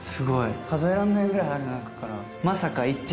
数えらんないぐらいある中から。